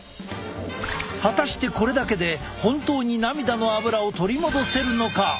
果たしてこれだけで本当に涙のアブラを取り戻せるのか！？